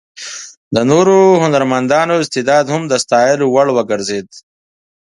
د نورو هنرمندانو استعداد هم د ستایلو وړ وګرځېد.